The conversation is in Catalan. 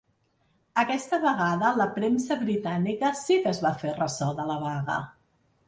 Aquesta vegada, la premsa britànica sí que es va fer ressò de la vaga.